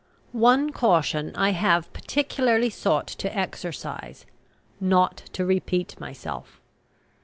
One caution I have particularly sought to exercise: "not to repeat myself."